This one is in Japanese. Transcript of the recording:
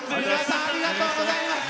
ありがとうございます。